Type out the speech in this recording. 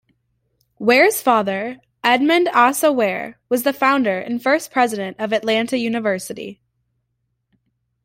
Ware's father, Edmund Asa Ware, was the founder and first president of Atlanta University.